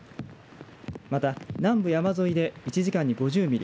また、南部山沿いで１時間に５０ミリ